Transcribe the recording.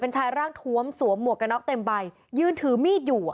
ชายร่างทวมสวมหมวกกระน็อกเต็มใบยืนถือมีดอยู่อ่ะ